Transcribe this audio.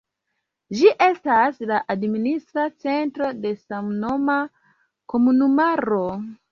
Ĝi estas la administra centro de samnoma komunumaro.